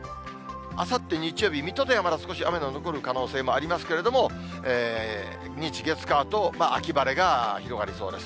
あさって日曜日、水戸ではまだ少し雨の残る可能性もありますけれども、日、月、火と秋晴れが広がりそうです。